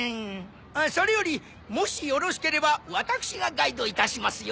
それよりもしよろしければワタクシがガイドいたしますよ。